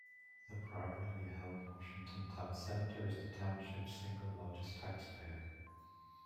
The privately held Washington Town Center is the township's single largest tax payer.